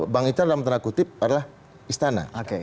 bang icar dalam tanda kutip adalah istana